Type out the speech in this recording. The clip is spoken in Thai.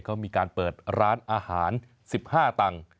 เขามีการเปิดร้านอาหาร๑๕ตังค์